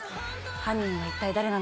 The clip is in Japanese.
犯人は一体誰なのか？